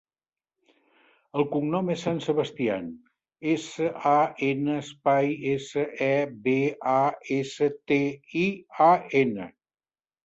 El cognom és San Sebastian: essa, a, ena, espai, essa, e, be, a, essa, te, i, a, ena.